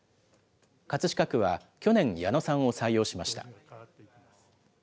葛飾区は去年、矢野さんを採用しました。